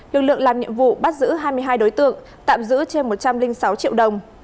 lực lượng làm nhiệm vụ bắt giữ hai mươi hai đối tượng tạm giữ trên một trăm linh sáu triệu đồng